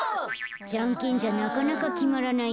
じゃんけんじゃなかなかきまらないね。